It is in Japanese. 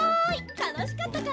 たのしかったかな？